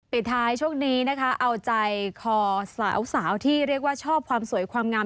ปิดท้ายช่วงนี้นะคะเอาใจคอสาวที่เรียกว่าชอบความสวยความงาม